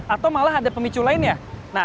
atau malah ada pemicu lainnya